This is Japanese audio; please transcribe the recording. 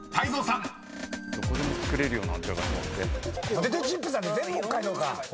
ポテトチップスなんて全部北海道か。